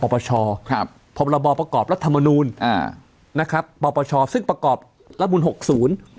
พรปชซึ่งประกอบรัฐมนูลพรปชซึ่งประกอบรัฐมนูล๖๐